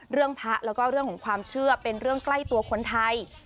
พระแล้วก็เรื่องของความเชื่อเป็นเรื่องใกล้ตัวคนไทย